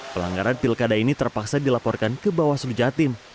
pelanggaran pilkada ini terpaksa dilaporkan ke bawah selu jatim